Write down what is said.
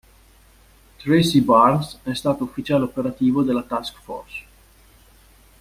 Tracy Barnes è stato ufficiale operativo della "task force".